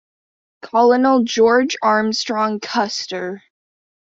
Colonel George Armstrong Custer.